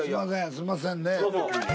すいませんね。